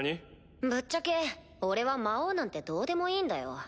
ぶっちゃけ俺は魔王なんてどうでもいいんだよ。